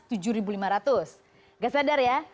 nggak sadar ya